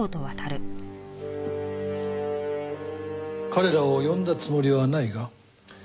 彼らを呼んだつもりはないが。